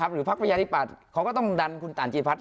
หรือพรรณพญาติปัสเขาก็ต้องดันคุณตั๋นจิตภัทร